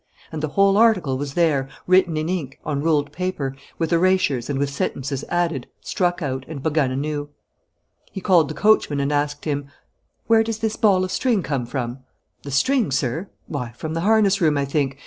And the whole article was there, written in ink, on ruled paper, with erasures, and with sentences added, struck out, and begun anew. He called the coachman and asked him: "Where does this ball of string come from?" "The string, sir? Why, from the harness room, I think.